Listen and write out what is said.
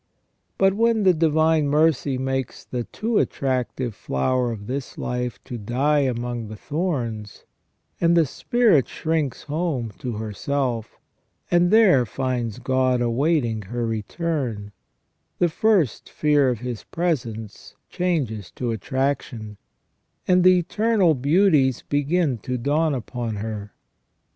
But when the divine mercy makes the too attractive flower of this life to die among the thorns, and the spirit shrinks home to herself, and there finds God awaiting her return, the first fear of His presence changes to attraction, and the eternal beauties begin to dawn upon her.